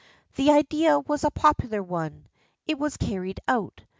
The idea was a popular one. It was carried out.